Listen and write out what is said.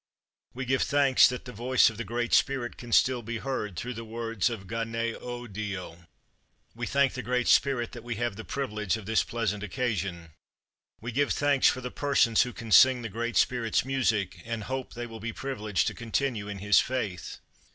We give thanks that the voice of the Great Spirit can still be heard through the words of Ga ne o di o. We thank the Great Spirit that we have the privilege of this pleasant occasion. We give thanks for the persons who can sing the Great Spirit's music, and hope they will be privileged to continue in his faith.